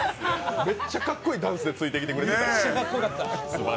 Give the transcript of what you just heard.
めっちゃかっこいいダンスでついてきてくれた。